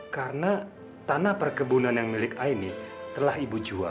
karena tanah perkebunan yang milik aini telah ibu jual